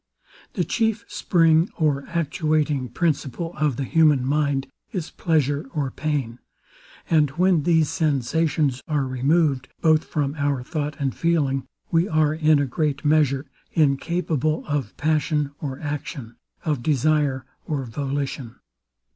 The chief spring or actuating principle of the human mind is pleasure or pain; and when these sensations are removed, both from our thought and feeling, we are, in a great measure, incapable of passion or action, of desire or volition.